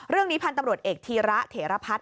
เรื่องนี้พันธุ์ตำรวจเอกธีระเถระพัด